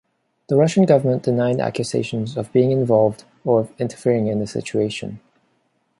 The Russian government denied accusations of being involved or of interfering in the situation.